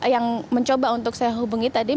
yang mencoba untuk saya hubungi tadi